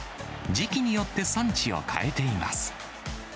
時期によって産地を変えています。